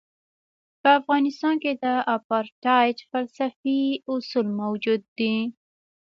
په افغانستان کې د اپارټایډ فلسفي اصول موجود دي.